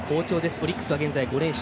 オリックスは現在５連勝